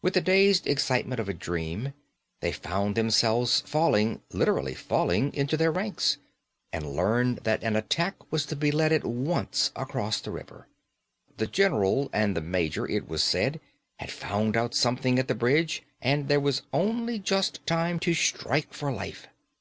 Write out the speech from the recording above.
With the dazed excitement of a dream, they found themselves falling literally falling into their ranks, and learned that an attack was to be led at once across the river. The general and the major, it was said, had found out something at the bridge, and there was only just time to strike for life.